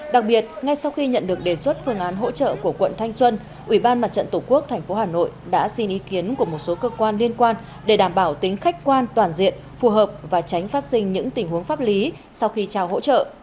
đặc biệt ngay sau khi nhận được đề xuất phương án hỗ trợ của quận thanh xuân ủy ban mặt trận tổ quốc tp hà nội đã xin ý kiến của một số cơ quan liên quan để đảm bảo tính khách quan toàn diện phù hợp và tránh phát sinh những tình huống pháp lý sau khi trao hỗ trợ